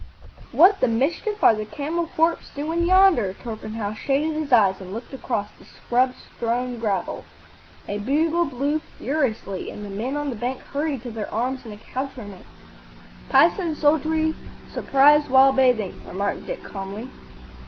What the mischief are the camel corps doing yonder?" Torpenhow shaded his eyes and looked across the scrub strewn gravel. A bugle blew furiously, and the men on the bank hurried to their arms and accoutrements. ""Pisan soldiery surprised while bathing,"' remarked Dick, calmly.